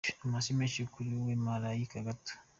Amashyi menshi kuri wowe kamalayika gato.